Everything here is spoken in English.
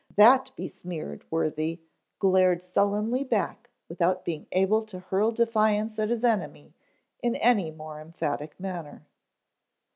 That besmeared worthy glared sullenly back without being able to hurl defiance at his enemy in any more emphatic manner.